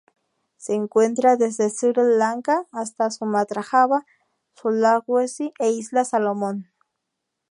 Se encuentra desde Sri Lanka hasta Sumatra, Java, Sulawesi e Islas Salomón.